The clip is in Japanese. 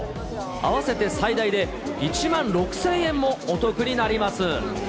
合わせて最大で１万６０００円もお得になります。